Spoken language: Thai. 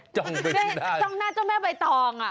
จ้องหน้าเจ้าแม่ใบตอง